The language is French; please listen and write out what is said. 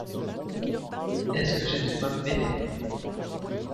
est-ce que j’ai de quoi me mettre?